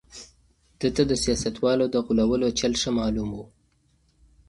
ده ته د سياستوالو د غولولو چل ښه معلوم و.